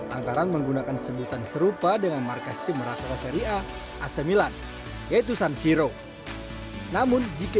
antaran menggunakan sebutan serupa dengan markas tim rasulah seri a sembilan yaitu sansiro namun jika